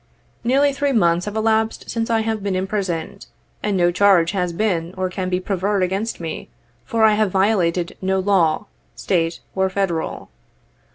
Nearly three months have elapsed since I have been im prisoned, and no charge has been or can be preferred against me, for I have violated no law, State or Federal.